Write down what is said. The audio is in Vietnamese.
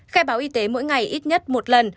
khai báo y tế mỗi ngày ít nhất một lần